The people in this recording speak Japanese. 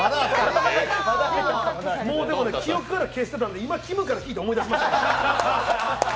もう、記憶から消してたんで今、きむから聞いて思い出しました。